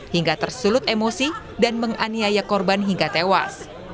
hingga tersulut emosi dan menganiaya korban hingga tewas